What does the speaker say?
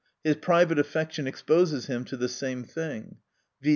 269 private affection exposes him to the same thing, viz.